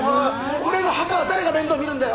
俺の墓は誰が面倒見るんだよ？